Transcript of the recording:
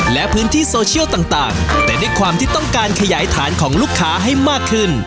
และพื้นที่โซเชียลต่างแต่ด้วยความที่ต้องการขยายฐานของลูกค้าให้มากขึ้น